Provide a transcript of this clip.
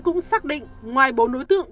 cũng xác định ngoài bốn đối tượng